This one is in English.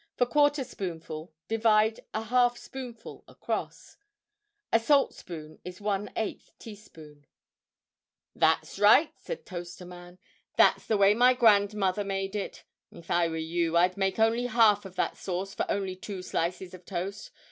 For quarter spoonful, divide a half spoonful across. A saltspoon is 1/8 teaspoon. "That's right!" said Toaster Man. "That's the way my grandmother made it. If I were you, I'd make only half of that sauce for only two slices of toast.